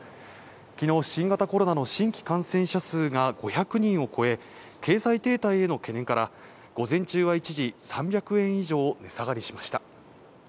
昨日、新型コロナの新規感染者数が５００人を超え、経済停滞への懸念から午前中は一時３００円以上、値下がりしました。